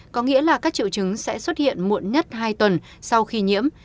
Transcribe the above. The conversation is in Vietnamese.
và các triệu chứng sẽ xuất hiện muộn nhất hai tuần sau khi nhiễm